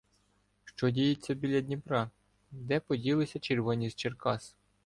що діється біля Дніпра? Де поділися червоні з Черкас?